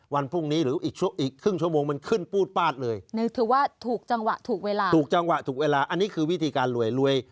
วันพรุ่งนี้หรืออีกช่วงอีกครึ่งชั่วโมงมันขึ้นปูดปาดเลยนึกถือว่าถูกจังหวะถูกเวลาถูกจังหวะถูกเวลาอันนี้คือวิธีการรวยรวย